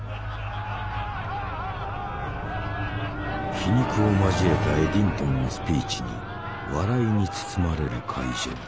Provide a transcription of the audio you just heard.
皮肉を交えたエディントンのスピーチに笑いに包まれる会場。